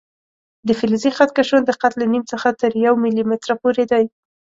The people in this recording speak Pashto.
د فلزي خط کشونو دقت له نیم څخه تر یو ملي متره پورې دی.